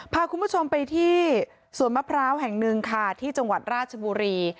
พาคุณผู้ชมไปที่สวนมะพร้าวแห่งหนึ่งค่ะที่จังหวัดราชบุรี